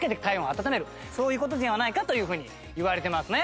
そういう事ではないかというふうに言われてますね。